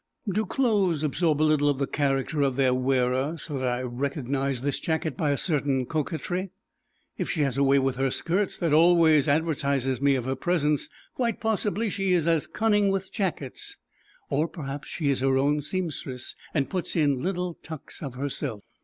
Do clothes absorb a little of the character of their wearer, so that I recognised this jacket by a certain coquetry? If she has a way with her skirts that always advertises me of her presence, quite possibly she is as cunning with jackets. Or perhaps she is her own seamstress, and puts in little tucks of herself.